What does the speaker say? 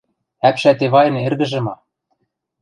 — Ӓпшӓт Эвайын эргӹжӹ ма?